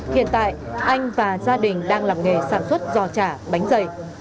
hiện tại anh và gia đình đang làm nghề sản xuất giò chả bánh dày